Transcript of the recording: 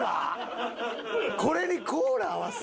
これにコーラ合わす？